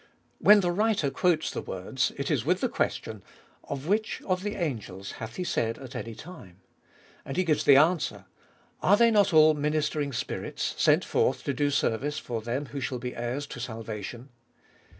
When the writer quotes the words, it is with the question : Of which of the angels hath He said at any time ? And He gives the answer : Are they not all ministering spirits sent forth to do service for them who shall be heirs to salvation